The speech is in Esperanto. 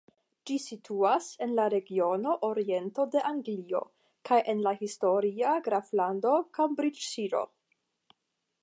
Ĝi situas en la regiono "Oriento de Anglio" kaj en la historia graflando "Kambriĝŝiro".